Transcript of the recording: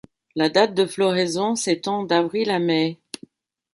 La date de floraison s'étend d'avril à mai.